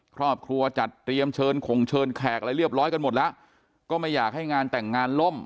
ครอบครัวจัดเตรียมเชิญข่งเชิญแขกอะไรเรียบร้อยกันหมดแล้วก็ไม่อยากให้งานแต่งงานล่ม